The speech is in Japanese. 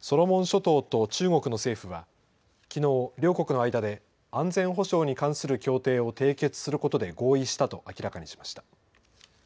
ソロモン諸島と中国の政府はきのう両国の間で安全保障に関する協定を締結することで合意したと明らかにしました。